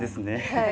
はい。